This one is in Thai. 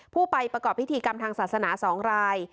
ผู้ไปประกอบพิธีกรรมทางศาสนา๒ราย